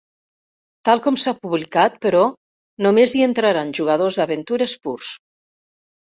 Tal com s'ha publicat, però, només hi entraran jugadors d'aventures purs.